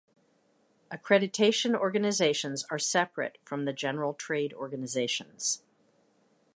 Accreditation organizations are separate from the general trade organizations.